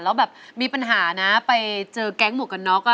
แล้วแบบมีปัญหานะไปเจอแก๊งหมวกกันน็อก